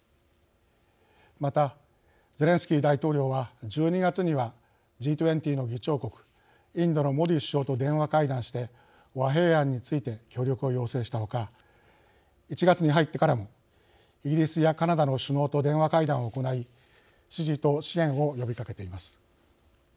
また、ゼレンスキー大統領は１２月にはＧ２０の議長国インドのモディ首相と電話会談して和平案について協力を要請した他１月に入ってからもイギリスやカナダの首脳と電話会談を行い支持と支援を呼びかけています。